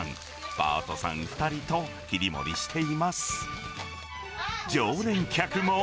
パートさん２人と切り盛りしています。